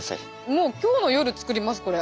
もう今日の夜作りますこれ。